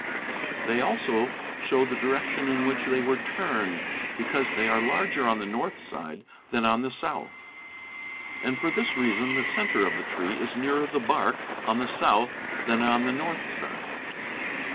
They also BLAZES, SURVEY LINES, ETC. 205 show the direction in which they were turned, because they are larger on the north side than on the south, and for this reason the center of the tree is nearer the bark on the south than on the north side."